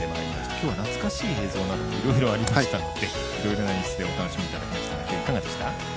今日は、懐かしい映像などもいろいろありましたのでいろいろな演出でお楽しみいただきましたが今日は、いかがでした？